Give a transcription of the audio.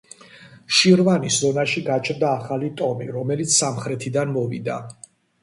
შირვანის ზონაში გაჩნდა ახალი ტომი, რომელიც სამხრეთიდან მოვიდა.